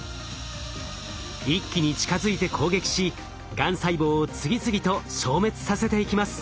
一気に近づいて攻撃しがん細胞を次々と消滅させていきます。